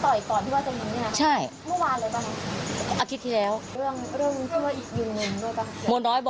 ก็เขามาต่อยหน้าบ้านคุณไอ้พจน์นี่มาต่อยลูกแม่ไวนี่